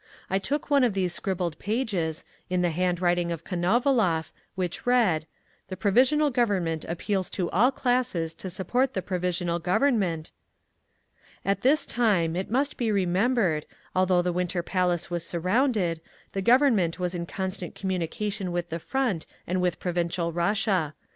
I took one of these scribbled pages, in the hand writing of Konovalov, which read, "The Provisional Government appeals to all classes to support the Provisional Government—" All this time, it must be remembered, although the Winter Palace was surrounded, the Government was in constant communication with the Front and with provincial Russia.